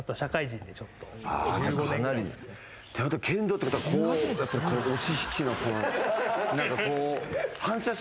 剣道ってことは押し引きのこう。